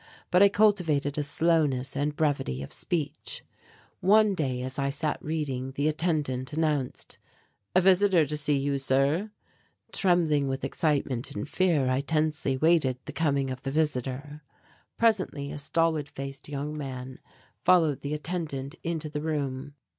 But I cultivated a slowness and brevity of speech. One day as I sat reading the attendant announced, "A visitor to see you, sir." Trembling with excitement and fear I tensely waited the coming of the visitor. Presently a stolid faced young man followed the attendant into the room.